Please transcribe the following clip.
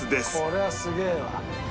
「これはすげえわ」